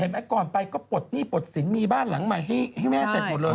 เห็นไหมก่อนไปก็ปลดนี่ปลดสินมีบ้านหลังมาให้แม่เสร็จหมดเลย